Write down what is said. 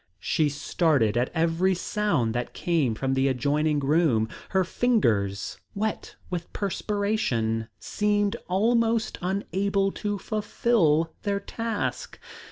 She started at every sound that came from the adjoining room. Her fingers, wet with perspiration, seemed almost unable to fulfil their task.